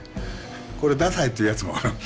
これダサいって言うやつもおる。